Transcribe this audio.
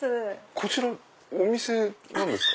こちらお店なんですか？